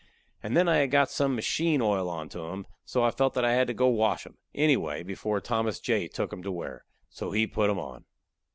And then I had got some machine oil onto 'em, so I felt that I had got to wash 'em, anyway, before Thomas J. took 'em to wear. So he put 'em on.